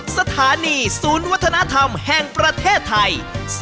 สถานีศูนย์วัฒนธรรมแห่งประเทศไทย